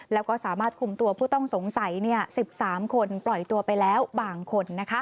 แล้วก็สามารถคุมตัวผู้ต้องสงสัย๑๓คนปล่อยตัวไปแล้วบางคน